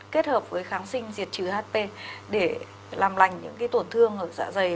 kết hợp với kháng sinh diệt trừ hp để làm lành những cái tổn thương ở dạ dày